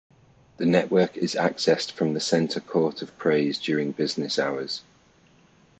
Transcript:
The network is accessed from the Center Court of Praise during business hours.